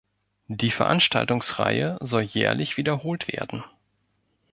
Die Veranstaltungsreihe soll jährlich wiederholt werden.